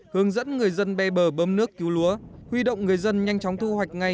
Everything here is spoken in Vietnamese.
hướng dẫn người dân bê bờ bơm nước cứu lúa huy động người dân nhanh chóng thu hoạch ngay